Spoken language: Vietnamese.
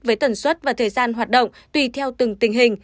với tần suất và thời gian hoạt động tùy theo từng tình hình